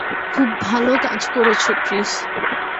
খুব ভালো কাজ করেছো, ক্রিস।